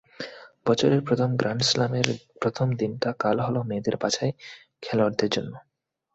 বছরের প্রথম গ্র্যান্ড স্লামের প্রথম দিনটা কাল হলো মেয়েদের বাছাই খেলোয়াড়দের জন্য।